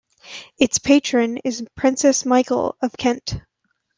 Its patron is Princess Michael of Kent.